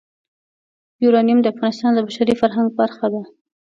یورانیم د افغانستان د بشري فرهنګ برخه ده.